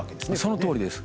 そのとおりです。